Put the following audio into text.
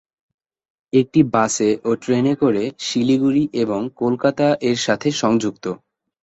এটি বাসে ও ট্রেনে করে শিলিগুড়ি এবং কলকাতা এর সাথে সংযুক্ত।